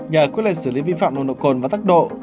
nhờ quyết liệt xử lý vi phạm nồng độ cồn và tốc độ